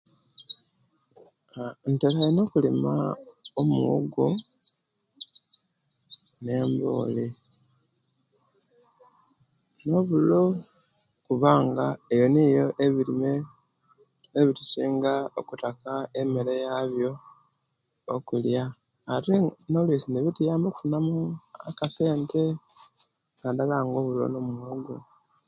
Aah ntera ino okulima omuwogo ne'mbooli no'bulo kubanga ebyo nibyo ebirime ebyetusinga okutaka emere yayo okulya ate oluisi nebitiyamba okufuna mu akasente nadala nga obulo no'muwogo